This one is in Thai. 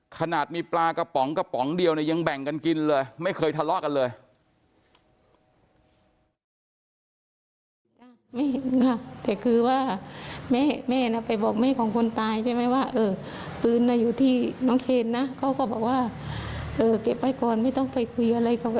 ขนาดมีปลากระป๋องกระป๋องเดียวเนี่ยยังแบ่งกันกินเลยไม่เคยทะเลาะกันเลย